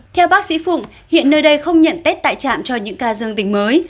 theo bác sĩ phụng hiện nơi đây không nhận tết tại trạm cho những ca dương tính mới